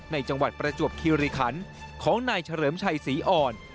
จังหวัดประจวบคิริคันของนายเฉลิมชัยศรีอ่อน